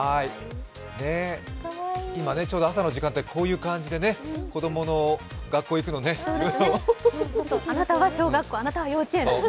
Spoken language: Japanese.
今ね、ちょうど朝の時間帯、こういう感じで子供の学校行くのをあなたは小学校、あなたは幼稚園と。